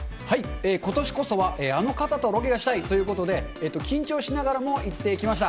今年こそはあの方とロケがしたいということで、緊張しながらも行ってきました。